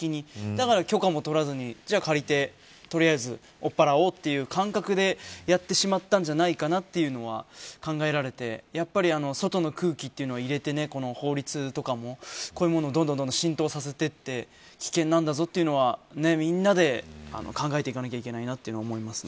だから許可も取らずに、借りて取りあえず追っ払おうという感覚でやってしまったんじゃないかなというのは考えられて外の空気というのを入れて法律とかも、こういうのをどんどん浸透させていって危険なんだぞ、というのはみんなで考えていかなければいけないなと思います。